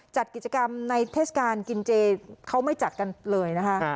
จัดกิจกรรมในเทศกาลกินเจเขาไม่จัดกันเลยนะคะ